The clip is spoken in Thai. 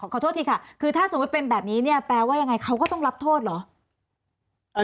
ขอโทษทีค่ะคือถ้าสมมุติเป็นแบบนี้เนี่ยแปลว่ายังไงเขาก็ต้องรับโทษเหรอ